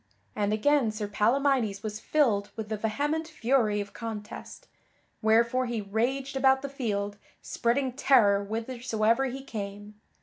And again Sir Palamydes was filled with the vehement fury of contest, wherefore he raged about the field, spreading terror whithersoever he came.